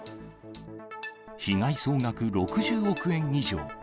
被害総額６０億円以上。